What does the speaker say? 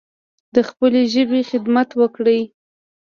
د خپلې ژبې خدمت وکړﺉ